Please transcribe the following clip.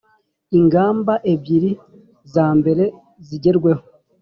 Ingamba ebyiri za mbere zigerweho